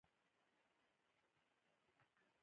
هر چا یو یو څاری له غاړې نیولی و.